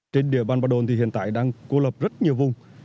trên địa bàn bà đôn thì hiện tại đang cô lập rất nhiều vùng